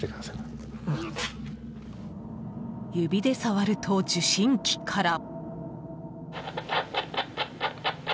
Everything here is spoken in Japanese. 指で触ると、受信機から。